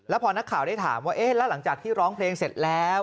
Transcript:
พอนักข่าวได้ถามว่าเอ๊ะแล้วหลังจากที่ร้องเพลงเสร็จแล้ว